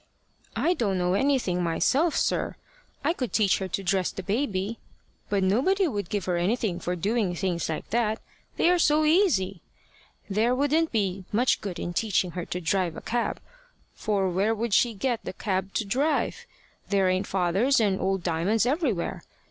"I don't know anything myself, sir. I could teach her to dress the baby; but nobody would give her anything for doing things like that: they are so easy. There wouldn't be much good in teaching her to drive a cab, for where would she get the cab to drive? There ain't fathers and old Diamonds everywhere.